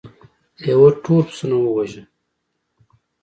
لیوه ټول پسونه وواژه.